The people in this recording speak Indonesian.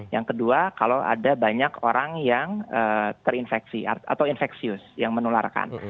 yang kedua kalau ada banyak orang yang terinfeksi atau infeksius yang menularkan